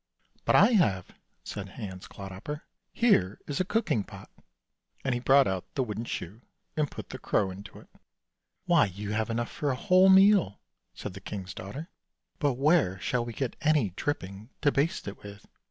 " But I have," said Hans Clodhopper. " Here is a cooking pot." And he brought out the wooden shoe and put the crow into it. " Why you have enough for a whole meal," said the king's daughter; " but where shall we get any dripping to baste it with?